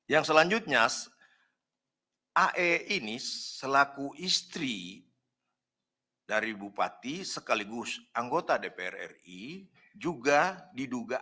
yang selanjutnya ae ini selaku istri dari bupati sekaligus anggota dpr ri juga diduga